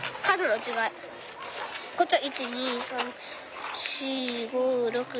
でこっちは１２３４５。